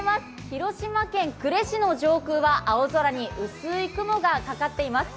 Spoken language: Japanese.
広島県呉市の上空は青空に薄い雲がかかっています。